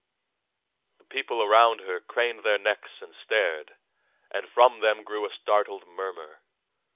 The people around her craned their necks and stared, and from them grew a startled murmur.